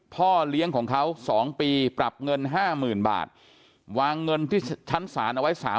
พ่อเลี้ยงของเขา๒ปีปรับเงิน๕๐๐๐บาทวางเงินที่ชั้นศาลเอาไว้๓๐๐